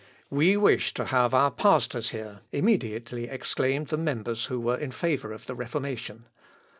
"We wish to have our pastors here," immediately exclaimed the members who were in favour of the Reformation.